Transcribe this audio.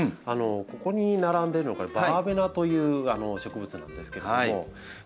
ここに並んでるのバーベナという植物なんですけども吾郎さん